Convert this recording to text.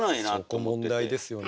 そこ問題ですよねえ。